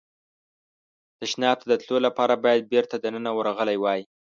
تشناب ته د تلو لپاره باید بېرته دننه ورغلی وای.